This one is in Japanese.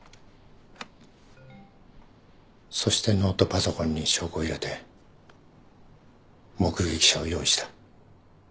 そしてノートパソコンに証拠を入れて目撃者を用意した。